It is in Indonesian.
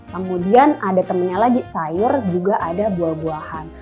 kemudian ada temennya lagi sayur juga ada buah buahan